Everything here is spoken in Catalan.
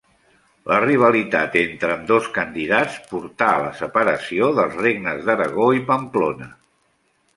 La rivalitat entre ambdós candidats portà a la separació dels regnes d'Aragó i Pamplona.